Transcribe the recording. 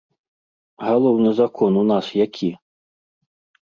Галоўны закон у нас які?